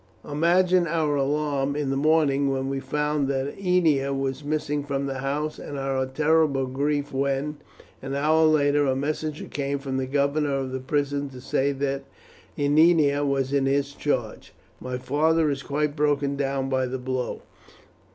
Imagine our alarm in the morning when we found that Ennia was missing from the house, and our terrible grief when, an hour later, a messenger came from the governor of the prison to say that Ennia was in his charge. My father is quite broken down by the blow.